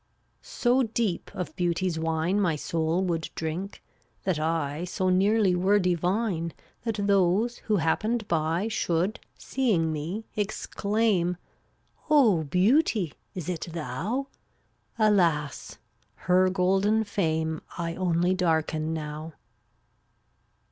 386 So deep of Beauty's wine My soul would drink that I So nearly were divine That those who happened by Should, seeing me, exclaim: "O Beauty! is it thou?" Alas! her golden fame I only darken now.